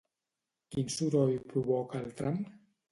Quin soroll provoca el tram?